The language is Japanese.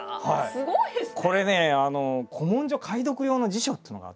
すごいですね。